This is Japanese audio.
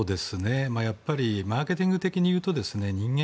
マーケティング的に言うと人間